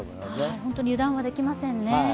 本当に油断はできませんね。